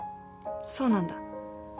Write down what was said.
そうなんだ。